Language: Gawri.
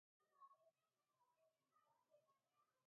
دنائے مئی موں کوستینیاں نام و نشان پا نہ دۤھرئی